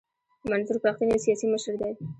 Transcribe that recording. منظور پښتین یو سیاسي مشر دی.